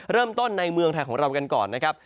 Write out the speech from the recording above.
เริ่มต้นในเมืองไทยของเรากันก่อนนะครับ